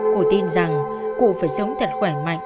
cụ tin rằng cụ phải sống thật khỏe